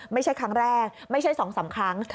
ไม่ใช่ครั้งแรกไม่ใช่๒๓ครั้ง